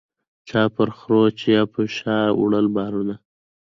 چا پر خرو چا به په شا وړله بارونه